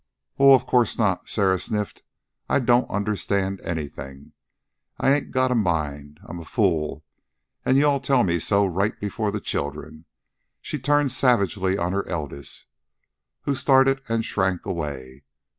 "Oh, of course not," Sarah sniffed. "I don't understand anything. I ain't got a mind. I'm a fool, an' you tell me so right before the children." She turned savagely on her eldest, who startled and shrank away.